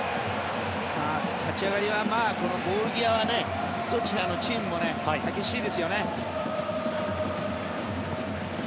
立ち上がりはボール際はどちらのチームも激しいですよね。